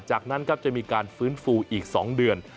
จากนั้นครับจะมีการฟื้นฟูอีก๒เดือน